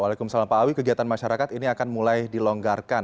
waalaikumsalam pak awi kegiatan masyarakat ini akan mulai dilonggarkan